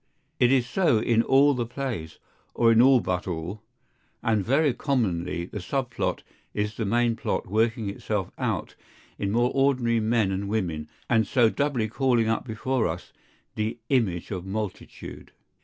It is so in all the plays, or in all but all, and very commonly the sub plot is the main plot working itself out in more ordinary men and women, and so[Pg 341] doubly calling up before us the image of multitude.